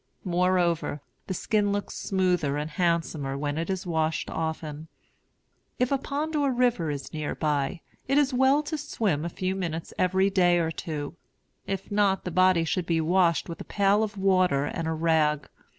Moreover, the skin looks smoother and handsomer when it is washed often. If a pond or river is near by, it is well to swim a few minutes every day or two; if not, the body should be washed with a pail of water and a rag.